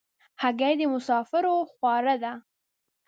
هګۍ د مسافرو خواړه دي.